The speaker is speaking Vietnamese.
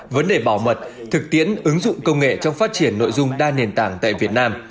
vấn đề bảo mật thực tiễn ứng dụng công nghệ trong phát triển nội dung đa nền tảng tại việt nam